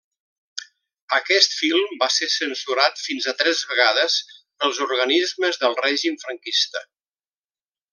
Aquest film va ser censurat fins a tres vegades pels organismes del règim Franquista.